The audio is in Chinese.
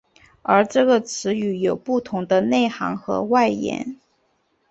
而这个词语有不同的内涵和外延。